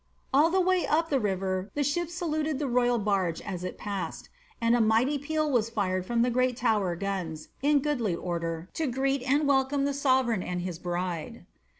^' All the way up the river the ships saluted the royal barge as it passed ; and a mighty peal was fired from the great Tower guns, in goodly order, to greet and welcome the sove reign and his bride.'